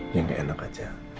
ya gak enak aja